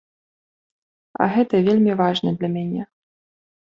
А гэта вельмі важна для мяне.